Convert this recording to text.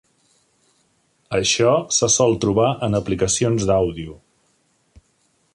Això se sol trobar en aplicacions d'àudio.